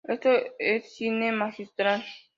Esto es cine magistral".